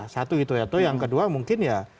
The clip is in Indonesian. satu itu yang kedua mungkin ya